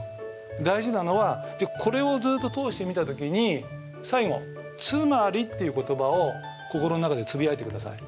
大事なのはこれをずっと通して見た時に最後「つまり」っていう言葉を心の中でつぶやいてください。